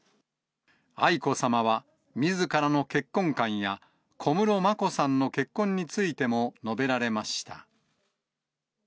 愛子さまはみずからの結婚観や、小室まこさんの結婚についても述べられました。